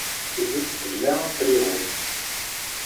Tidet tla afriwen.